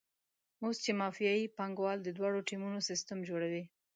اوس چې مافیایي پانګوال د دواړو ټیمونو سیستم جوړوي.